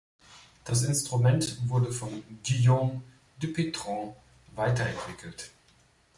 Das Instrument wurde von Guillaume Dupuytren weiterentwickelt.